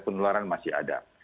penularan masih ada